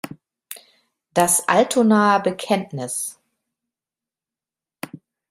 Das Altonaer Bekenntnis